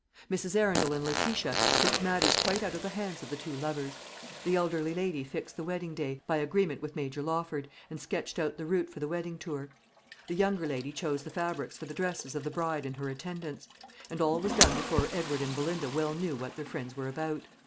Mrs. Arundel and Letitia took matters quite out of the hands of the two lovers. The elderly lady fixed the wedding day, by agreement with Major Lawford, and sketched out the route for the wedding tour. The younger lady chose the fabrics for the dresses of the bride and her attendants; and all was done before Edward and Belinda well knew what their friends were about.